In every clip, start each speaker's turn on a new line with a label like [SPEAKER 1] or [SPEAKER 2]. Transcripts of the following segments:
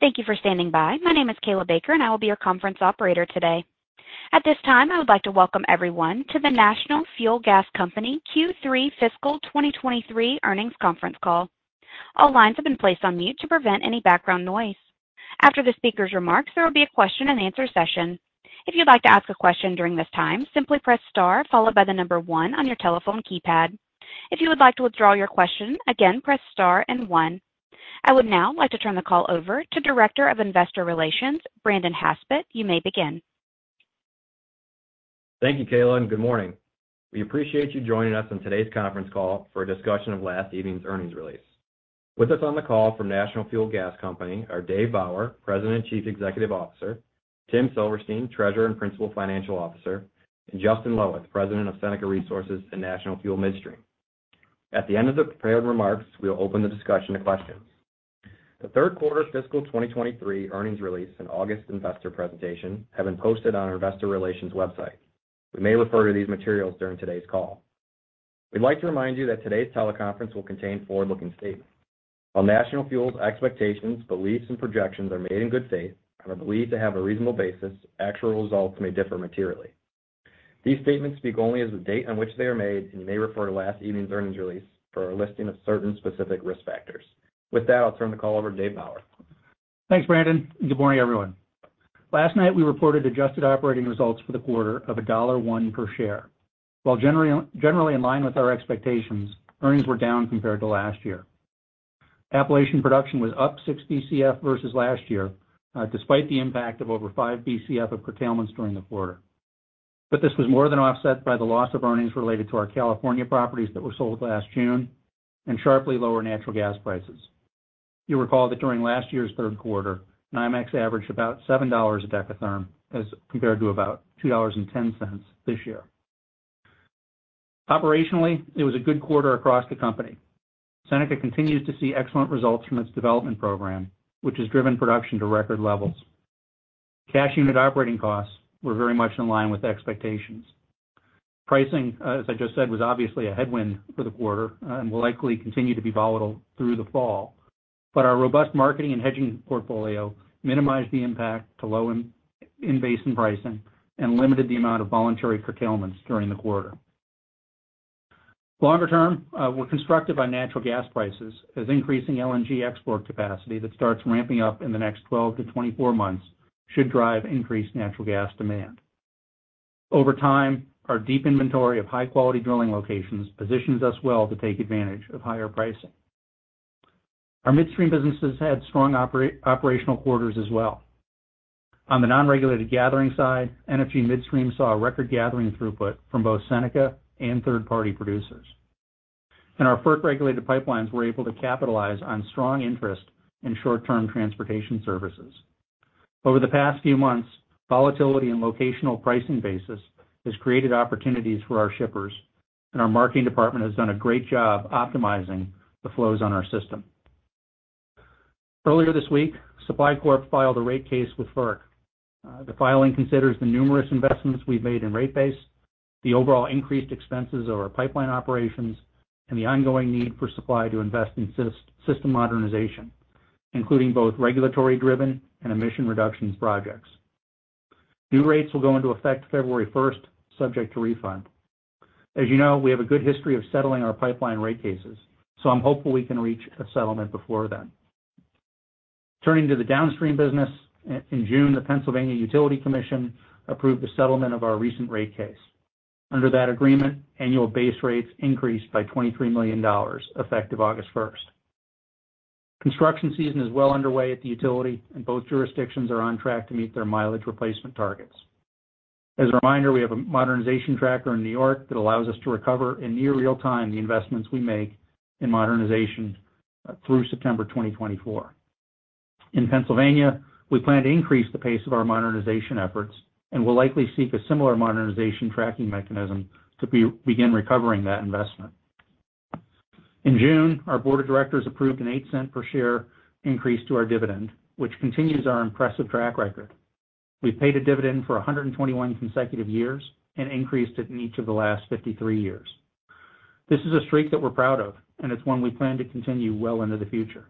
[SPEAKER 1] Thank you for standing by. My name is Kayla Baker, I will be your conference operator today. At this time, I would like to welcome everyone to the National Fuel Gas Company Q3 Fiscal 2023 Earnings Conference Call. All lines have been placed on mute to prevent any background noise. After the speaker's remarks, there will be a question-and-answer session. If you'd like to ask a question during this time, simply press star one on your telephone keypad. If you would like to withdraw your question, again, press star one. I would now like to turn the call over to Director of Investor Relations, Brandon Haspert. You may begin.
[SPEAKER 2] Thank you, Kayla. Good morning. We appreciate you joining us on today's conference call for a discussion of last evening's earnings release. With us on the call from National Fuel Gas Company are Dave Bauer, President and Chief Executive Officer, Tim Silverstein, Treasurer and Principal Financial Officer, and Justin Loweth, President of Seneca Resources and National Fuel Midstream. At the end of the prepared remarks, we'll open the discussion to questions. The third quarter fiscal 2023 earnings release and August Investor Presentation have been posted on our Investor Relations website. We may refer to these materials during today's call. We'd like to remind you that today's teleconference will contain forward-looking statements. While National Fuel's expectations, beliefs, and projections are made in good faith and are believed to have a reasonable basis, actual results may differ materially. These statements speak only as the date on which they are made, and you may refer to last evening's earnings release for a listing of certain specific risk factors. With that, I'll turn the call over to Dave Bauer.
[SPEAKER 3] Thanks, Brandon, good morning, everyone. Last night, we reported adjusted operating results for the quarter of $1.01 per share. While generally, generally in line with our expectations, earnings were down compared to last year. Appalachian production was up 6 Bcf versus last year, despite the impact of over 5 Bcf of curtailments during the quarter. This was more than offset by the loss of earnings related to our California properties that were sold last June, and sharply lower natural gas prices. You'll recall that during last year's third quarter, NYMEX averaged about $7 a dekatherm as compared to about $2.10 this year. Operationally, it was a good quarter across the company. Seneca continues to see excellent results from its development program, which has driven production to record levels. Cash unit operating costs were very much in line with expectations. Pricing, as I just said, was obviously a headwind for the quarter and will likely continue to be volatile through the fall, but our robust marketing and hedging portfolio minimized the impact to low in-basin pricing and limited the amount of voluntary curtailments during the quarter. Longer term, we're constructive on natural gas prices as increasing LNG export capacity that starts ramping up in the next 12 to 24 months should drive increased natural gas demand. Over time, our deep inventory of high-quality drilling locations positions us well to take advantage of higher pricing. Our midstream businesses had strong operational quarters as well. On the non-regulated gathering side, NFG Midstream saw a record gathering throughput from both Seneca and third-party producers. Our FERC-regulated pipelines were able to capitalize on strong interest in short-term transportation services. Over the past few months, volatility and locational pricing basis has created opportunities for our shippers, and our marketing department has done a great job optimizing the flows on our system. Earlier this week, Supply Corp filed a rate case with FERC. The filing considers the numerous investments we've made in rate base, the overall increased expenses of our pipeline operations, and the ongoing need for Supply to invest in system modernization, including both regulatory-driven and emission reductions projects. New rates will go into effect February 1st, subject to refund. As you know, we have a good history of settling our pipeline rate cases, so I'm hopeful we can reach a settlement before then. Turning to the downstream business, in June, the Pennsylvania Utility Commission approved the settlement of our recent rate case. Under that agreement, annual base rates increased by $23 million, effective August 1st. Construction season is well underway at the utility, and both jurisdictions are on track to meet their mileage replacement targets. As a reminder, we have a modernization tracker in New York that allows us to recover in near real time, the investments we make in modernization, through September 2024. In Pennsylvania, we plan to increase the pace of our modernization efforts and will likely seek a similar modernization tracking mechanism to begin recovering that investment. In June, our board of directors approved an $0.08 per share increase to our dividend, which continues our impressive track record. We've paid a dividend for 121 consecutive years and increased it in each of the last 53 years. This is a streak that we're proud of, and it's one we plan to continue well into the future.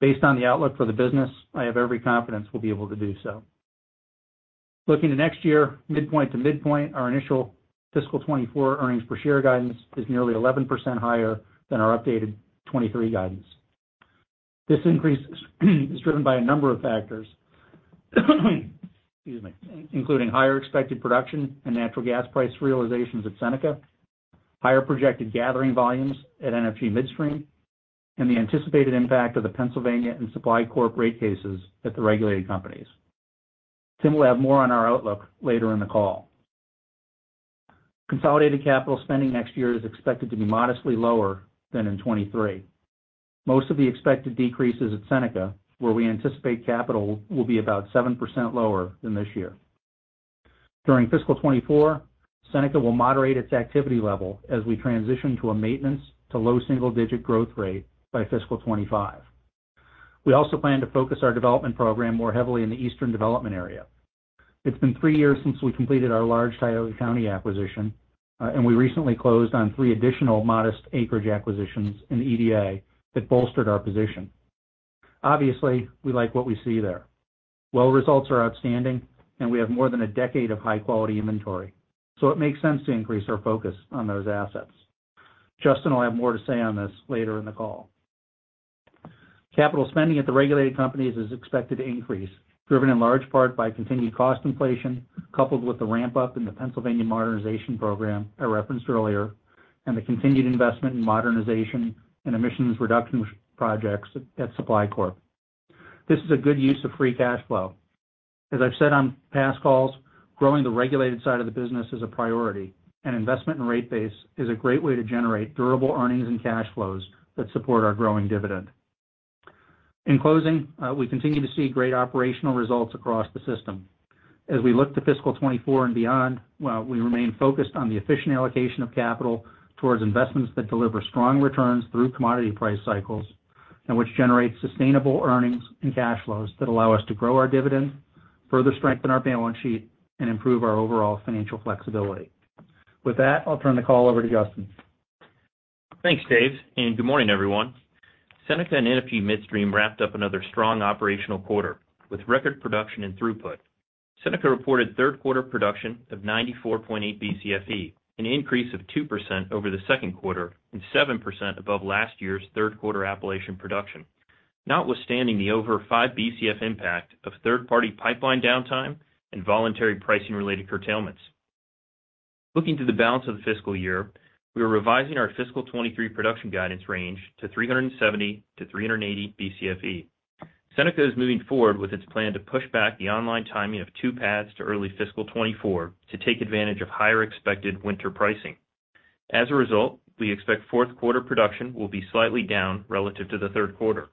[SPEAKER 3] Based on the outlook for the business, I have every confidence we'll be able to do so. Looking to next year, midpoint to midpoint, our initial fiscal 2024 earnings per share guidance is nearly 11% higher than our updated 2023 guidance. This increase is driven by a number of factors, excuse me, including higher expected production and natural gas price realizations at Seneca, higher projected gathering volumes at NFG Midstream, and the anticipated impact of the Pennsylvania and Supply Corp rate cases at the regulated companies. Tim will have more on our outlook later in the call. Consolidated capital spending next year is expected to be modestly lower than in 2023. Most of the expected decreases at Seneca, where we anticipate capital will be about 7% lower than this year. During fiscal 2024, Seneca will moderate its activity level as we transition to a maintenance to low double single-digit growth rate by fiscal 2025. We also plan to focus our development program more heavily in the Eastern development area. It's been three years since we completed our large Tioga County acquisition, and we recently closed on three additional modest acreage acquisitions in the EDA that bolstered our position. Obviously, we like what we see there. Well results are outstanding, and we have more than one decade of high-quality inventory. It makes sense to increase our focus on those assets. Justin will have more to say on this later in the call. Capital spending at the regulated companies is expected to increase, driven in large part by continued cost inflation, coupled with the ramp-up in the Pennsylvania Modernization Program I referenced earlier, and the continued investment in modernization and emissions reduction projects at Supply Corp. This is a good use of free cash flow. As I've said on past calls, growing the regulated side of the business is a priority, and investment in rate base is a great way to generate durable earnings and cash flows that support our growing dividend. In closing, we continue to see great operational results across the system. As we look to fiscal 2024 and beyond, well, we remain focused on the efficient allocation of capital towards investments that deliver strong returns through commodity price cycles, and which generate sustainable earnings and cash flows that allow us to grow our dividend, further strengthen our balance sheet, and improve our overall financial flexibility. With that, I'll turn the call over to Justin.
[SPEAKER 4] Thanks, Dave. Good morning, everyone. Seneca and NFG Midstream wrapped up another strong operational quarter, with record production and throughput. Seneca reported third quarter production of 94.8 Bcfe, an increase of 2% over the second quarter, and 7% above last year's third quarter Appalachian production. Notwithstanding the over 5 Bcf impact of third-party pipeline downtime and voluntary pricing-related curtailments. Looking to the balance of the fiscal year, we are revising our fiscal 2023 production guidance range to 370 Bcfe-380 Bcfe. Seneca is moving forward with its plan to push back the online timing of two pads to early fiscal 2024 to take advantage of higher expected winter pricing. As a result, we expect fourth quarter production will be slightly down relative to the third quarter.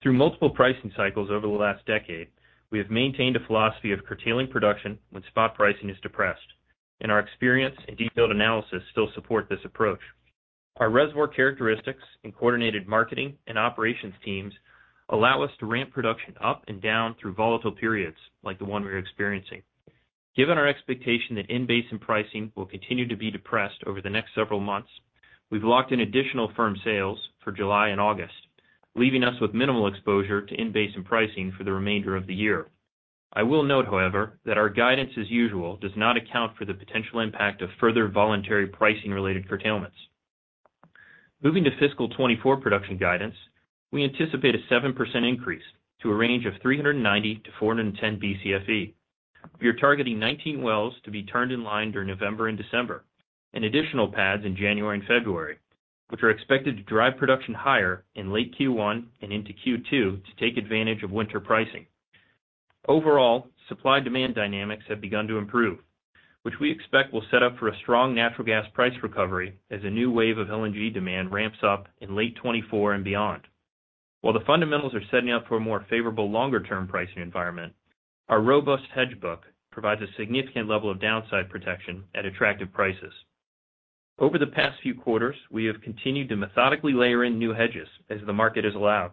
[SPEAKER 4] Through multiple pricing cycles over the last decade, we have maintained a philosophy of curtailing production when spot pricing is depressed, and our experience and detailed analysis still support this approach. Our reservoir characteristics and coordinated marketing and operations teams allow us to ramp production up and down through volatile periods like the one we're experiencing. Given our expectation that in-basin pricing will continue to be depressed over the next several months, we've locked in additional firm sales for July and August, leaving us with minimal exposure to in-basin pricing for the remainder of the year. I will note, however, that our guidance, as usual, does not account for the potential impact of further voluntary price-related curtailments. Moving to fiscal 2024 production guidance, we anticipate a 7% increase to a range of 390 Bcfe-410 Bcfe. We are targeting 19 wells to be turned in line during November and December, and additional pads in January and February, which are expected to drive production higher in late Q1 and into Q2 to take advantage of winter pricing. Overall, supply-demand dynamics have begun to improve, which we expect will set up for a strong LNG demand recovery as a new wave of LNG demand ramps up in late 2024 and beyond. While the fundamentals are setting up for a more favorable longer-term pricing environment, our robust hedge book provides a significant level of downside protection at attractive prices. Over the past few quarters, we have continued to methodically layer in new hedges as the market has allowed,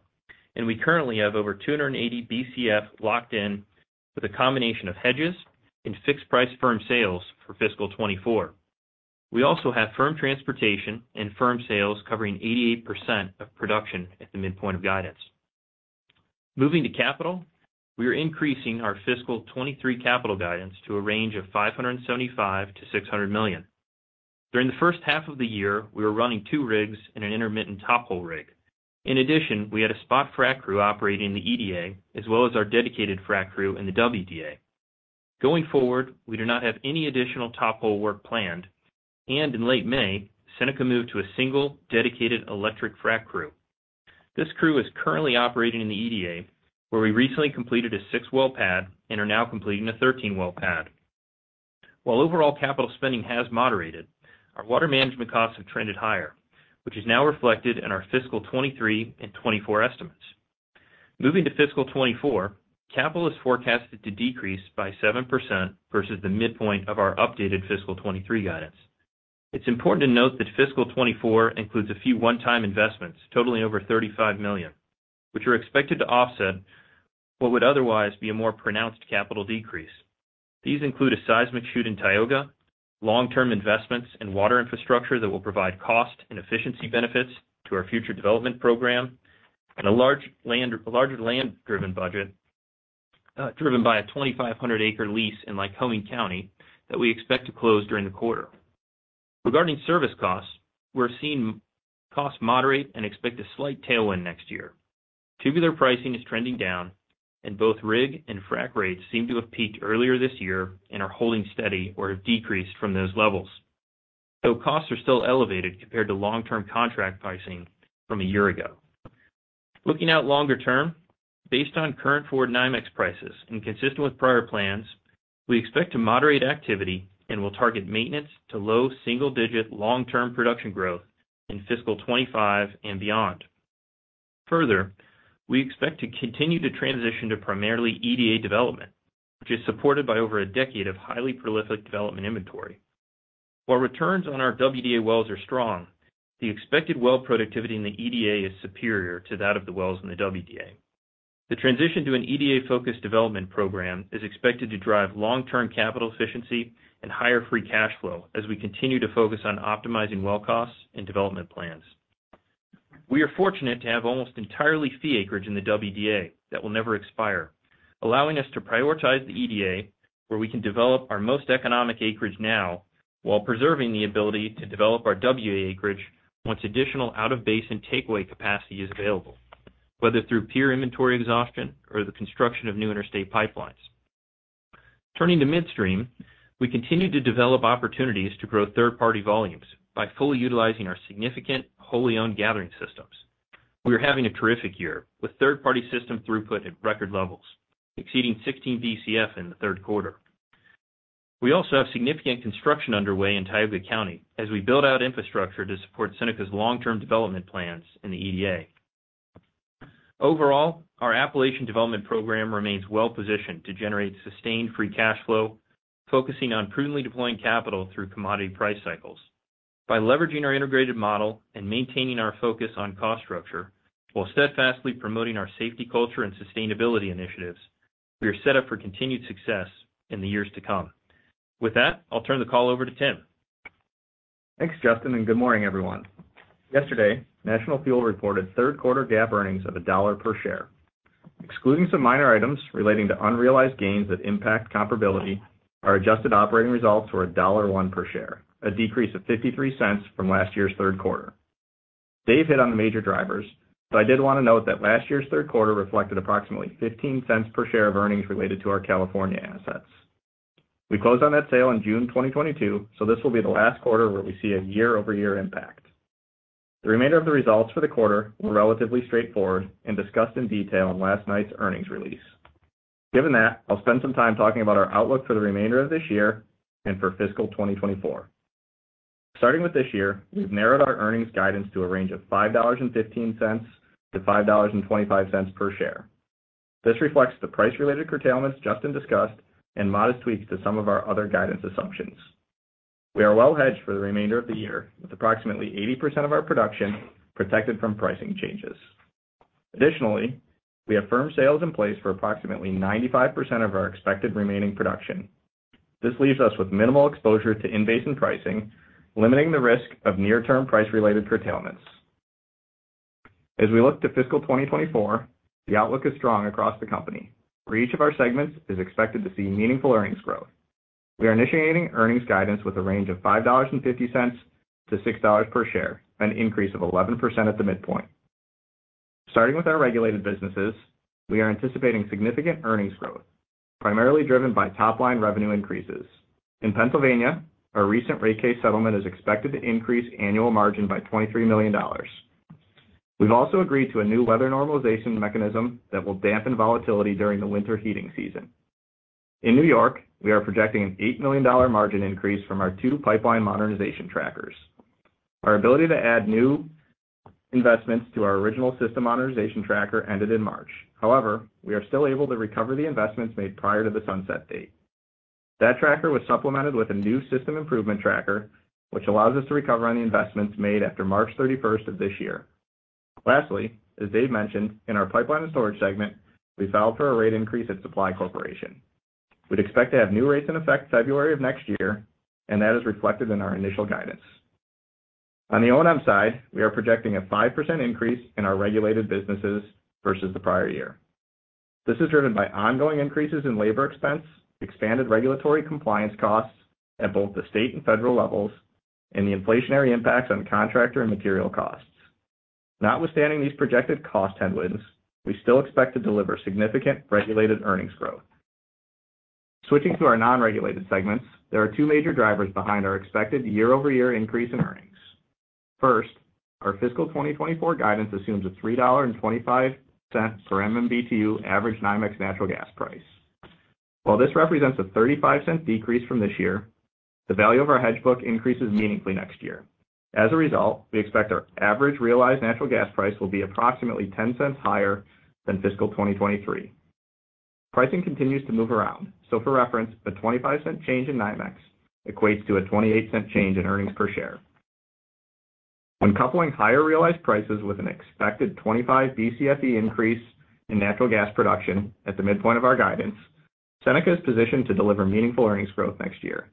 [SPEAKER 4] and we currently have over 280 Bcf locked in with a combination of hedges and fixed price firm sales for fiscal 2024. We also have firm transportation and firm sales covering 88% of production at the midpoint of guidance. Moving to capital, we are increasing our fiscal 2023 capital guidance to a range of $575 million-$600 million. During the first half of the year, we were running two rigs and an intermittent top-hole rig. In addition, we had a spot frac crew operating in the EDA, as well as our dedicated frac crew in the WDA. Going forward, we do not have any additional top-hole work planned, and in late May, Seneca moved to a single dedicated electric frac crew. This crew is currently operating in the EDA, where we recently completed a six-well pad and are now completing a thirteen-well pad. While overall capital spending has moderated, our water management costs have trended higher, which is now reflected in our fiscal 2023 and 2024 estimates. Moving to fiscal 2024, capital is forecasted to decrease by 7% versus the midpoint of our updated fiscal 2023 guidance. It's important to note that fiscal 2024 includes a few one-time investments, totaling over $35 million, which are expected to offset what would otherwise be a more pronounced capital decrease. These include a seismic shoot in Tioga, long-term investments in water infrastructure that will provide cost and efficiency benefits to our future development program, and a larger land-driven budget, driven by a 2,500 acre lease in Lycoming County that we expect to close during the quarter. Regarding service costs, we're seeing costs moderate and expect a slight tailwind next year. Tubular pricing is trending down. Both rig and frac rates seem to have peaked earlier this year and are holding steady or have decreased from those levels, though costs are still elevated compared to long-term contract pricing from a year ago. Looking out longer term, based on current forward NYMEX prices and consistent with prior plans, we expect to moderate activity and will target maintenance to low single-digit long-term production growth in fiscal 2025 and beyond. We expect to continue to transition to primarily EDA development, which is supported by over a decade of highly prolific development inventory. While returns on our WDA wells are strong, the expected well productivity in the EDA is superior to that of the wells in the WDA. The transition to an EDA-focused development program is expected to drive long-term capital efficiency and higher free cash flow as we continue to focus on optimizing well costs and development plans. We are fortunate to have almost entirely fee acreage in the WDA that will never expire, allowing us to prioritize the EDA, where we can develop our most economic acreage now, while preserving the ability to develop our WDA acreage once additional out-of-basin takeaway capacity is available, whether through peer inventory exhaustion or the construction of new interstate pipelines. Turning to midstream, we continue to develop opportunities to grow third-party volumes by fully utilizing our significant wholly-owned gathering systems. We are having a terrific year, with third-party system throughput at record levels, exceeding 16 Bcf in the third quarter. We also have significant construction underway in Tioga County as we build out infrastructure to support Seneca's long-term development plans in the EDA. Overall, our Appalachian development program remains well-positioned to generate sustained free cash flow, focusing on prudently deploying capital through commodity price cycles. By leveraging our integrated model and maintaining our focus on cost structure, while steadfastly promoting our safety culture and sustainability initiatives, we are set up for continued success in the years to come. With that, I'll turn the call over to Tim.
[SPEAKER 5] Thanks, Justin, good morning, everyone. Yesterday, National Fuel reported third quarter GAAP earnings of $1 per share. Excluding some minor items relating to unrealized gains that impact comparability, our adjusted operating results were $1.01 per share, a decrease of $0.53 from last year's third quarter. Dave hit on the major drivers, I did want to note that last year's third quarter reflected approximately $0.15 per share of earnings related to our California assets. We closed on that sale in June 2022, this will be the last quarter where we see a year-over-year impact. The remainder of the results for the quarter were relatively straightforward and discussed in detail in last night's earnings release. Given that, I'll spend some time talking about our outlook for the remainder of this year and for fiscal 2024. Starting with this year, we've narrowed our earnings guidance to a range of $5.15-$5.25 per share. This reflects the price-related curtailments Justin discussed and modest tweaks to some of our other guidance assumptions. We are well hedged for the remainder of the year, with approximately 80% of our production protected from pricing changes. We have firm sales in place for approximately 95% of our expected remaining production. This leaves us with minimal exposure to in-basin pricing, limiting the risk of near-term price-related curtailments. We look to fiscal 2024, the outlook is strong across the company, where each of our segments is expected to see meaningful earnings growth. We are initiating earnings guidance with a range of $5.50-$6.00 per share, an increase of 11% at the midpoint. Starting with our regulated businesses, we are anticipating significant earnings growth, primarily driven by top-line revenue increases. In Pennsylvania, our recent rate case settlement is expected to increase annual margin by $23 million. We've also agreed to a new weather normalization mechanism that will dampen volatility during the winter heating season. In New York, we are projecting an $8 million margin increase from our two pipeline modernization trackers. Our ability to add new investments to our original System Modernization Tracker ended in March. We are still able to recover the investments made prior to the sunset date. That tracker was supplemented with a new System Improvement Tracker, which allows us to recover on the investments made after March 31st of this year. As Dave mentioned, in our pipeline and storage segment, we filed for a rate increase at Supply Corporation. We'd expect to have new rates in effect February of next year, and that is reflected in our initial guidance. On the O&M side, we are projecting a 5% increase in our regulated businesses versus the prior year. This is driven by ongoing increases in labor expense, expanded regulatory compliance costs at both the state and federal levels, and the inflationary impacts on contractor and material costs. Notwithstanding these projected cost headwinds, we still expect to deliver significant regulated earnings growth. Switching to our non-regulated segments, there are two major drivers behind our expected year-over-year increase in earnings. First, our fiscal 2024 guidance assumes a $3.25 per MMBtu average NYMEX natural gas price. While this represents a $0.35 decrease from this year, the value of our hedge book increases meaningfully next year. As a result, we expect our average realized natural gas price will be approximately $0.10 higher than fiscal 2023. Pricing continues to move around, so for reference, a $0.25 change in NYMEX equates to a $0.28 change in earnings per share. When coupling higher realized prices with an expected 25 Bcfe increase in natural gas production at the midpoint of our guidance, Seneca is positioned to deliver meaningful earnings growth next year.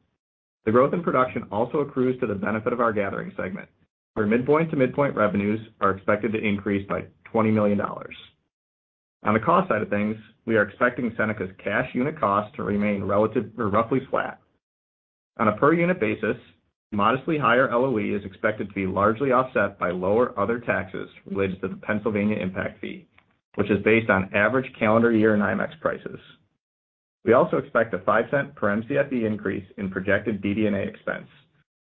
[SPEAKER 5] The growth in production also accrues to the benefit of our Gathering segment, where midpoint to midpoint revenues are expected to increase by $20 million. On the cost side of things, we are expecting Seneca's cash unit cost to remain roughly flat. On a per unit basis, modestly higher LOE is expected to be largely offset by lower other taxes related to the Pennsylvania impact fee, which is based on average calendar year NYMEX prices. We also expect a $0.05 per Mcfe increase in projected DD&A expense.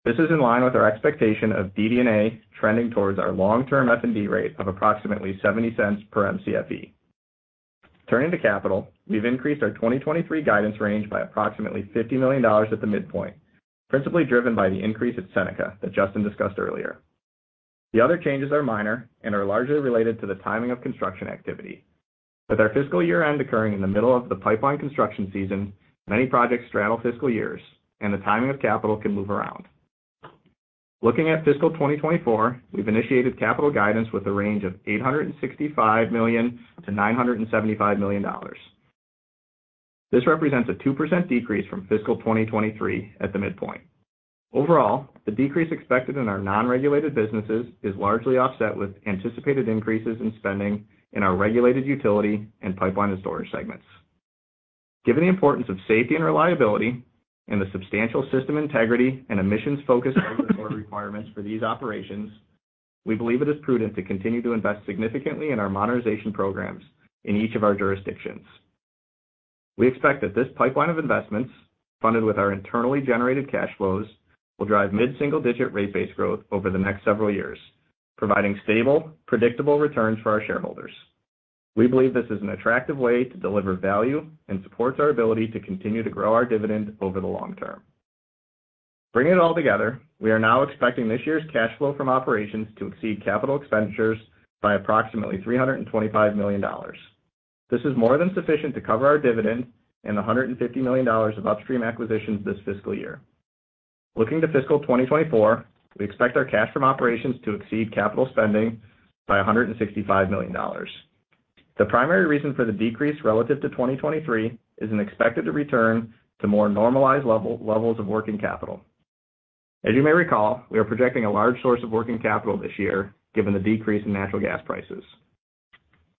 [SPEAKER 5] This is in line with our expectation of DD&A trending towards our long-term F&D rate of approximately $0.70 per Mcfe. Turning to capital, we've increased our 2023 guidance range by approximately $50 million at the midpoint, principally driven by the increase at Seneca that Justin discussed earlier. The other changes are minor and are largely related to the timing of construction activity. With our fiscal year-end occurring in the middle of the pipeline construction season, many projects straddle fiscal years, and the timing of capital can move around. Looking at fiscal 2024, we've initiated capital guidance with a range of $865 million-$975 million. This represents a 2% decrease from fiscal 2023 at the midpoint. Overall, the decrease expected in our non-regulated businesses is largely offset with anticipated increases in spending in our regulated utility and pipeline and storage segments. Given the importance of safety and reliability and the substantial system integrity and emissions-focused regulatory requirements for these operations, we believe it is prudent to continue to invest significantly in our modernization programs in each of our jurisdictions. We expect that this pipeline of investments, funded with our internally generated cash flows, will drive mid-single-digit rate base growth over the next several years, providing stable, predictable returns for our shareholders. We believe this is an attractive way to deliver value and supports our ability to continue to grow our dividend over the long term. Bringing it all together, we are now expecting this year's cash flow from operations to exceed capital expenditures by approximately $325 million. This is more than sufficient to cover our dividend and $150 million of upstream acquisitions this fiscal year. Looking to fiscal 2024, we expect our cash from operations to exceed capital spending by $165 million. The primary reason for the decrease relative to 2023 is an expected return to more normalized levels of working capital. As you may recall, we are projecting a large source of working capital this year, given the decrease in natural gas prices.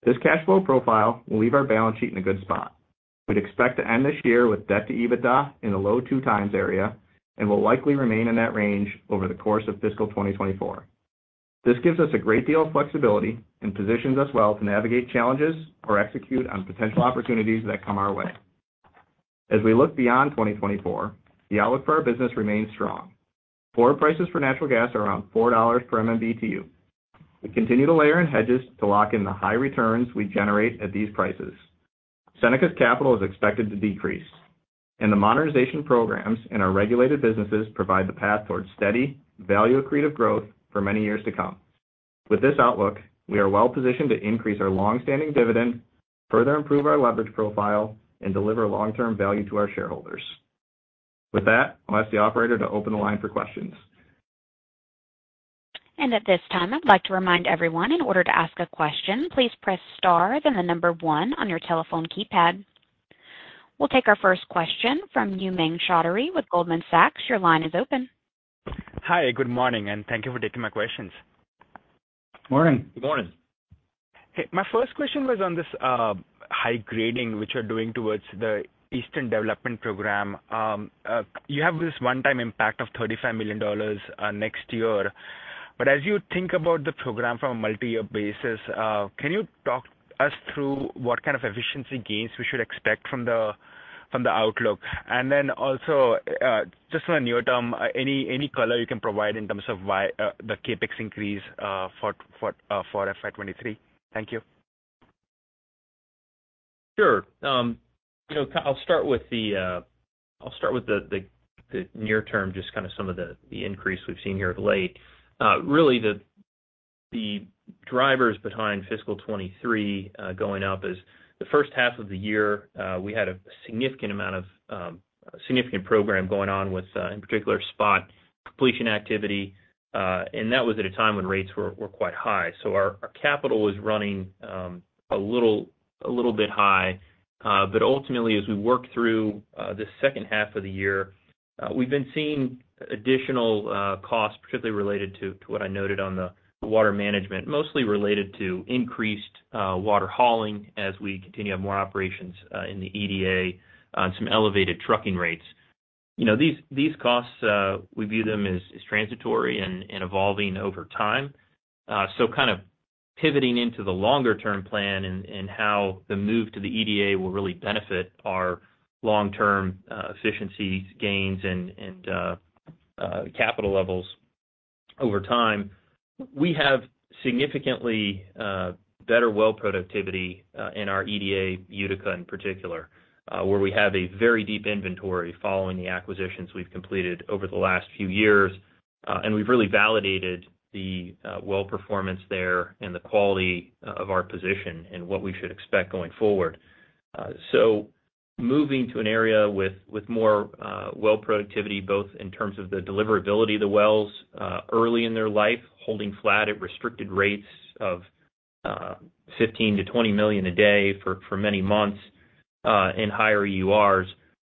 [SPEAKER 5] This cash flow profile will leave our balance sheet in a good spot. We'd expect to end this year with debt to EBITDA in the low 2x area and will likely remain in that range over the course of fiscal 2024. This gives us a great deal of flexibility and positions us well to navigate challenges or execute on potential opportunities that come our way. As we look beyond 2024, the outlook for our business remains strong. Forward prices for natural gas are around $4 per MMBtu. We continue to layer in hedges to lock in the high returns we generate at these prices. Seneca's capital is expected to decrease, and the modernization programs in our regulated businesses provide the path towards steady, value-accretive growth for many years to come. With this outlook, we are well positioned to increase our long-standing dividend, further improve our leverage profile, and deliver long-term value to our shareholders. With that, I'll ask the operator to open the line for questions.
[SPEAKER 1] At this time, I'd like to remind everyone, in order to ask a question, please press star, then the number 1 on your telephone keypad. We'll take our first question from Umang Choudhary with Goldman Sachs. Your line is open.
[SPEAKER 6] Hi, good morning, and thank you for taking my questions.
[SPEAKER 5] Morning.
[SPEAKER 3] Good morning.
[SPEAKER 6] Hey, my first question was on this high grading, which you're doing towards the Eastern Development Program. You have this one-time impact of $35 million next year. As you think about the program from a multi-year basis, can you talk us through what kind of efficiency gains we should expect from the, from the outlook? Also, just on the near term, any, any color you can provide in terms of why the CapEx increase for, for FY 2023. Thank you.
[SPEAKER 4] Sure. You know, I'll start with the, I'll start with the, the, the near term, just kind of some of the, the increase we've seen here of late. Really, the drivers behind fiscal 2023 going up is the first half of the year, we had a significant amount of significant program going on with, in particular, spot completion activity, and that was at a time when rates were quite high. Our, our capital was running a little, a little bit high. Ultimately, as we work through the second half of the year, we've been seeing additional costs, particularly related to what I noted on the water management, mostly related to increased water hauling as we continue to have more operations in the EDA on some elevated trucking rates. You know, these, these costs, we view them as, as transitory and, and evolving over time. Kind of pivoting into the longer-term plan and, and how the move to the EDA will really benefit our long-term, efficiency gains and, and, capital levels over time. We have significantly, better well productivity, in our EDA, Utica in particular, where we have a very deep inventory following the acquisitions we've completed over the last few years, and we've really validated the, well performance there and the quality of our position and what we should expect going forward. Moving to an area with, with more well productivity, both in terms of the deliverability of the wells, early in their life, holding flat at restricted rates of 15 million-20 million a day for, for many months, in higher UR,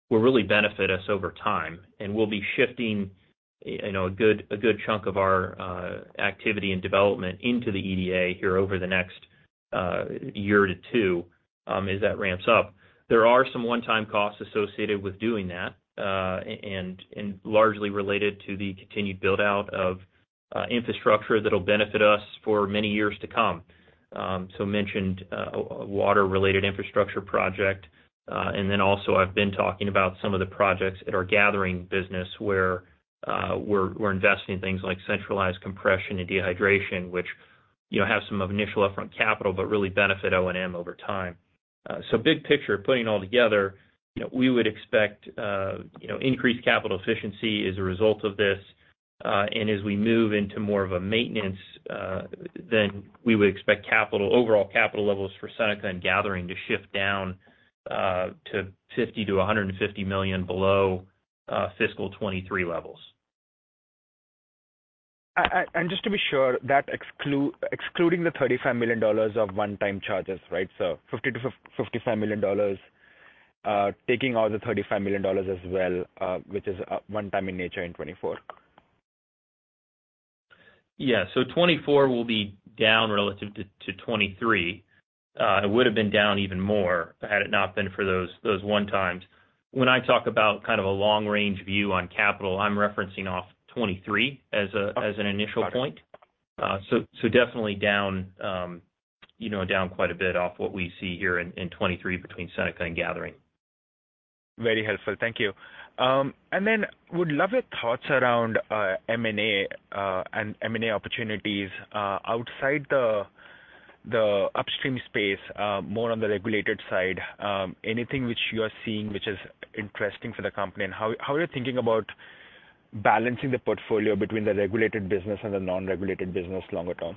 [SPEAKER 4] will really benefit us over time. We'll be shifting, you know, a good, a good chunk of our activity and development into the EDA here over the next year to two, as that ramps up. There are some one-time costs associated with doing that, and, and largely related to the continued build-out of infrastructure that will benefit us for many years to come. Mentioned a water-related infrastructure project, and then also I've been talking about some of the projects at our gathering business where we're investing in things like centralized compression and dehydration, which, you know, have some initial upfront capital, but really benefit O&M over time. Big picture, putting it all together, you know, we would expect, you know, increased capital efficiency as a result of this. As we move into more of a maintenance, then we would expect overall capital levels for Seneca and Gathering to shift down to $50 million-$150 million below fiscal 2023 levels.
[SPEAKER 6] Just to be sure, that excluding the $35 million of one-time charges, right? $50 million-$55 million, taking out the $35 million as well, which is one time in nature in 2024.
[SPEAKER 4] Yeah. 2024 will be down relative to, to 2023. It would have been down even more had it not been for those, those one times. When I talk about kind of a long-range view on capital, I'm referencing off 2023 as a, as an initial point.
[SPEAKER 6] Got it.
[SPEAKER 4] So, so definitely down, you know, down quite a bit off what we see here in, in 2023 between Seneca and Gathering.
[SPEAKER 6] Very helpful. Thank you. Then would love your thoughts around M&A and M&A opportunities outside the upstream space, more on the regulated side. Anything which you are seeing, which is interesting for the company? How, how are you thinking about balancing the portfolio between the regulated business and the non-regulated business longer term?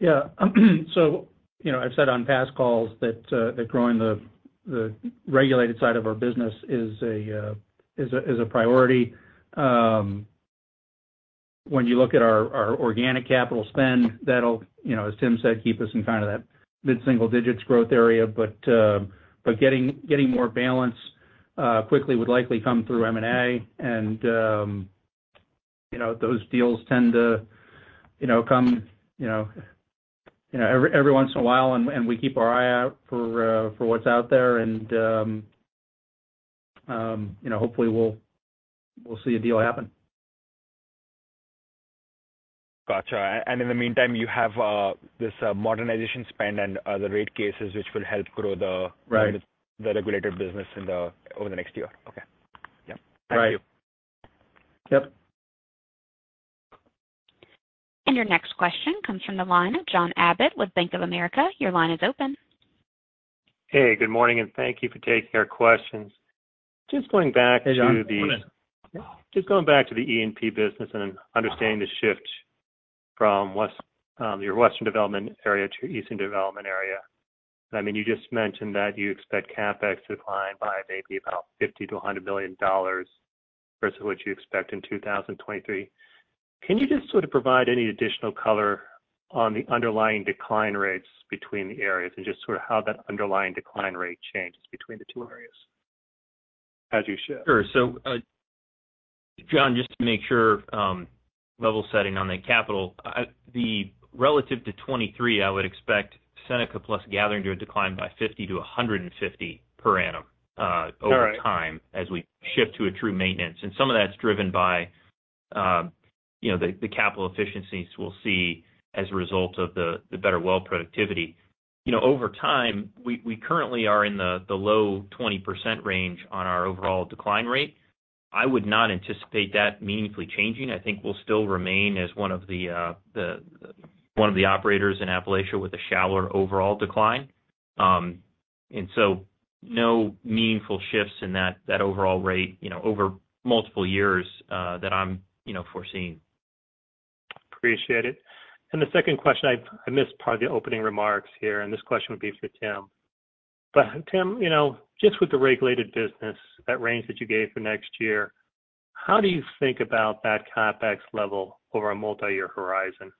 [SPEAKER 3] Yeah. You know, I've said on past calls that, that growing the, the regulated side of our business is a, is a, is a priority. When you look at our, our organic capital spend, that'll, you know, as Tim said, keep us in kind of that mid-single digits growth area. Getting, getting more balance, quickly would likely come through M&A. You know, those deals tend to, you know, come, you know, every, every once in a while, and, and we keep our eye out for, for what's out there. You know, hopefully, we'll, we'll see a deal happen.
[SPEAKER 6] Got you. In the meantime, you have this modernization spend and the rate cases which will help grow the.
[SPEAKER 3] Right
[SPEAKER 6] The regulated business over the next year. Okay. Yeah.
[SPEAKER 3] Right.
[SPEAKER 6] Thank you.
[SPEAKER 3] Yep.
[SPEAKER 1] Your next question comes from the line of John Abbott with Bank of America. Your line is open.
[SPEAKER 7] Hey, good morning, and thank you for taking our questions. Just going back to the-
[SPEAKER 3] Hey, John, good morning.
[SPEAKER 7] Just going back to the E&P business and understanding the shift from west, your Western Development Area to Eastern Development Area. I mean, you just mentioned that you expect CapEx to decline by maybe about $50 million-$100 million versus what you expect in 2023. Can you just sort of provide any additional color on the underlying decline rates between the areas and just sort of how that underlying decline rate changes between the two areas as you shift?
[SPEAKER 4] Sure. John, just to make sure, level setting on the capital, the relative to 2023, I would expect Seneca plus Gathering to decline by $50-$150 per annum, over-
[SPEAKER 7] All right....
[SPEAKER 4] time, as we shift to a true maintenance. Some of that's driven by, you know, the, the capital efficiencies we'll see as a result of the, the better well productivity. You know, over time, we, we currently are in the, the low 20% range on our overall decline rate. I would not anticipate that meaningfully changing. I think we'll still remain as one of the, the, one of the operators in Appalachia with a shallower overall decline. So no meaningful shifts in that, that overall rate, you know, over multiple years, that I'm, you know, foreseeing.
[SPEAKER 7] Appreciate it. The second question, I, I missed part of the opening remarks here, and this question would be for Tim. Tim, you know, just with the regulated business, that range that you gave for next year, how do you think about that CapEx level over a multiyear horizon?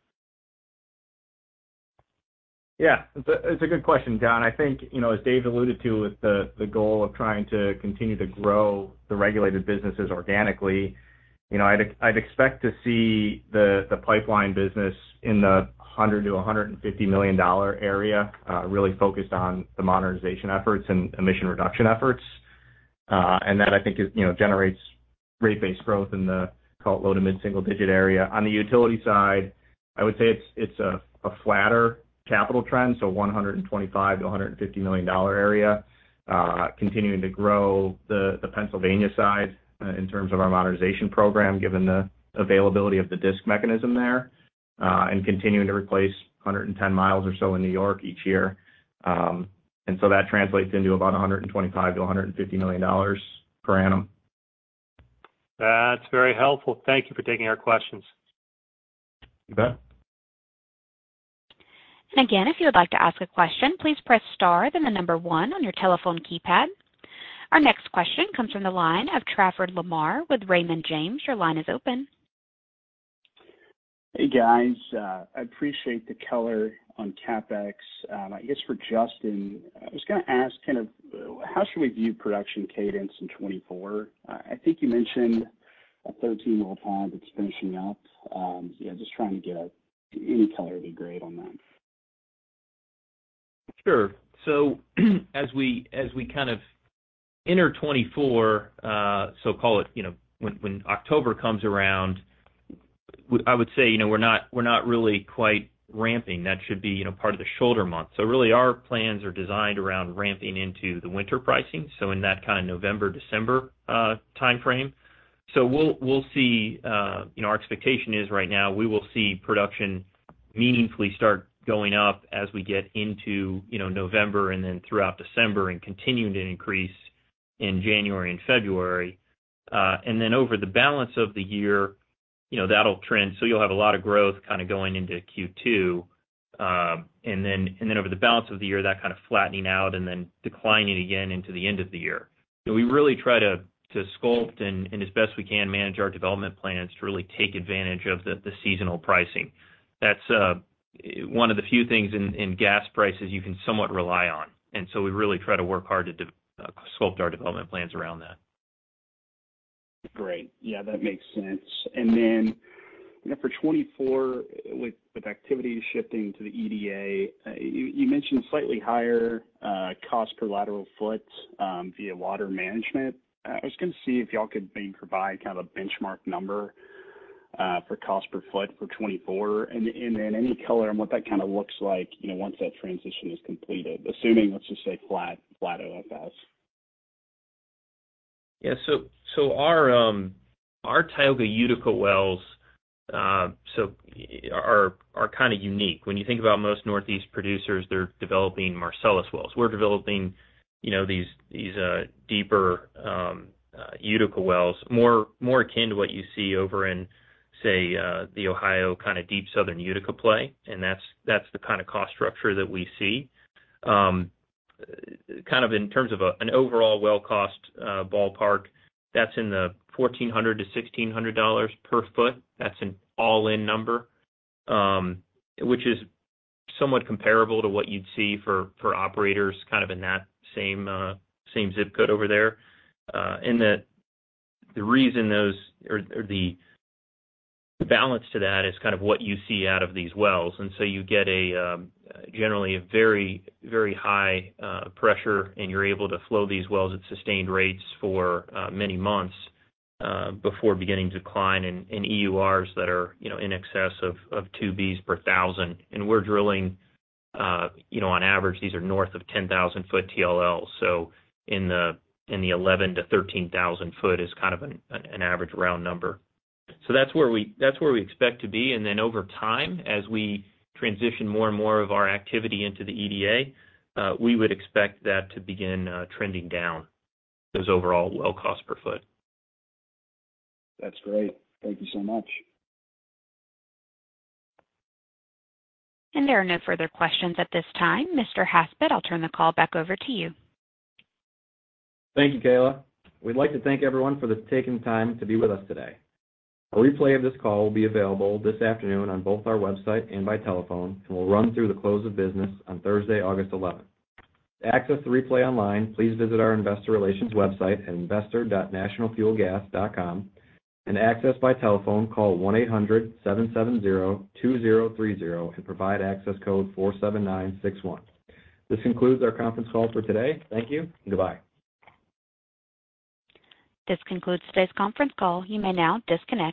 [SPEAKER 5] Yeah, it's a, it's a good question, John. I think, you know, as Dave alluded to, with the, the goal of trying to continue to grow the regulated businesses organically, you know, I'd expect to see the, the pipeline business in the $100 million-$150 million area, really focused on the modernization efforts and emission reduction efforts. That, I think is, you know, generates rate base growth in the call it low to mid-single-digit area. On the utility side, I would say it's, it's a, a flatter capital trend, so $125 million-$150 million area. Continuing to grow the, the Pennsylvania side, in terms of our modernization program, given the availability of the DSIC mechanism there, and continuing to replace 110 mi or so in New York each year. That translates into about $125 million-$150 million per annum.
[SPEAKER 7] That's very helpful. Thank you for taking our questions.
[SPEAKER 3] You bet.
[SPEAKER 1] Again, if you would like to ask a question, please press star then one on your telephone keypad. Our next question comes from the line of Trafford Lamar with Raymond James. Your line is open.
[SPEAKER 8] Hey, guys, I appreciate the color on CapEx. I guess for Justin, I was gonna ask kind of, how should we view production cadence in 2024? I think you mentioned a 13-year-old pond that's finishing up. Yeah, just trying to get any color of the grade on that.
[SPEAKER 4] Sure. As we, as we kind of enter 2024, call it, you know, when, when October comes around, I would say, you know, we're not, we're not really quite ramping. That should be, you know, part of the shoulder month. Really, our plans are designed around ramping into the winter pricing, so in that kind of November, December, timeframe. We'll, we'll see, you know, our expectation is right now, we will see production meaningfully start going up as we get into, you know, November and then throughout December, and continuing to increase in January and February. And then over the balance of the year, you know, that'll trend. You'll have a lot of growth kinda going into Q2. Over the balance of the year, that kind of flattening out and then declining again into the end of the year. We really try to sculpt and, as best we can, manage our development plans to really take advantage of the seasonal pricing. That's one of the few things in gas prices you can somewhat rely on. We really try to work hard to sculpt our development plans around that.
[SPEAKER 8] Great. Yeah, that makes sense. you know, for 2024, with, with activity shifting to the EDA, you, you mentioned slightly higher, cost per lateral foot, via water management. I was gonna see if y'all could maybe provide kind of a benchmark number, for cost per foot for 2024, and, and, and any color on what that kinda looks like, you know, once that transition is completed, assuming, let's just say, flat, flat OFS.
[SPEAKER 4] Yeah. Our Tioga Utica wells are kind of unique. When you think about most Northeast producers, they're developing Marcellus wells. We're developing, you know, these, these deeper Utica wells, more, more akin to what you see over in, say, the Ohio kind of deep southern Utica play, that's the kind of cost structure that we see. Kind of in terms of an overall well cost ballpark, that's in the $1,400-$1,600 per foot. That's an all-in number, which is somewhat comparable to what you'd see for operators kind of in that same zip code over there. The reason those... The balance to that is kind of what you see out of these wells, and so you get a generally a very, very high pressure, and you're able to flow these wells at sustained rates for many months before beginning to decline in EURs that are, you know, in excess of 2 Bcf per thousand. We're drilling, you know, on average, these are north of 10,000 ft TLL, so in the 11 to 13,000 ft is kind of an average round number. That's where we expect to be, then over time, as we transition more and more of our activity into the EDA, we would expect that to begin trending down, those overall well cost per foot.
[SPEAKER 8] That's great. Thank you so much.
[SPEAKER 1] There are no further questions at this time. Mr. Haspert, I'll turn the call back over to you.
[SPEAKER 2] Thank you, Kayla. We'd like to thank everyone for taking the time to be with us today. A replay of this call will be available this afternoon on both our website and by telephone, and will run through the close of business on Thursday, August 11th. To access the replay online, please visit our Investor Relations website at investor.nationalfuelgas.com, and access by telephone, call 1-800-770-2030 and provide access code 47961. This concludes our conference call for today. Thank you and goodbye.
[SPEAKER 1] This concludes today's conference call. You may now disconnect.